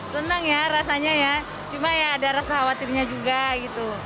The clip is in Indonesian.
senang ya rasanya ya cuma ya ada rasa khawatirnya juga gitu